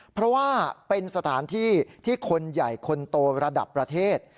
เพราะว่าเป็นสถานที่ที่คนใหญ่คนโตระดับประเทศ